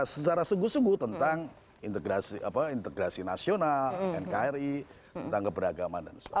secara seguh seguh tentang integrasi nasional nkri tanggap beragama dan sebagainya